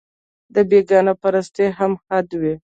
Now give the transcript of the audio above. د بېګانه پرستۍ هم حد وي